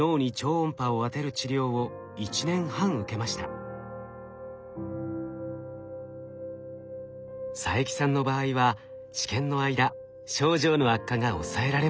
定期的に病院に行き佐伯さんの場合は治験の間症状の悪化が抑えられました。